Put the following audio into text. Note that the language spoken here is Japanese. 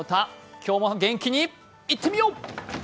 今日も元気にいってみよう！